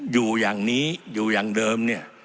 อยู่อย่างนี้อยู่อย่างเดิมเนี่ย